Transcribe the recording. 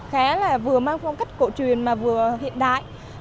khá là vừa mang phong cách cổ truyền mà vừa hiện đại